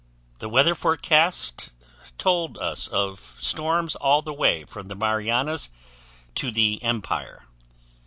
The weather forecast told us of storms all the way from the Marianas to the Empire.